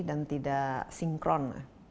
dan tidak sinkron